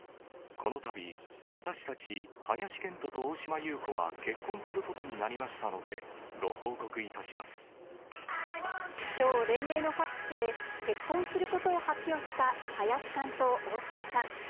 このたび、私たち、林遣都と大島優子は結婚することになりましたので、ご報告いたしきょう、連名のファックスで、結婚することを発表した林さんと大島さん。